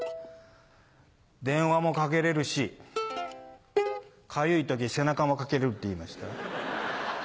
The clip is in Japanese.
電話もかけれるしかゆい時背中もかけれるって言いました。